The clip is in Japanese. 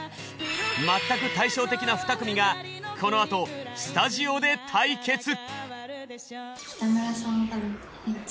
まったく対照的な２組がこのあとスタジオで対決！